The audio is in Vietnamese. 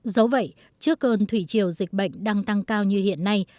dẫu vậy trước cơn thủy chiều dịch bệnh đang tăng cao như hiện nay